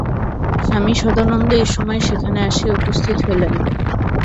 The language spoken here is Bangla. স্বামী সদানন্দ এই সময়ে সেখানে আসিয়া উপস্থিত হইলেন।